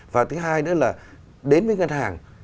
và thứ hai nữa là đến với ngân hàng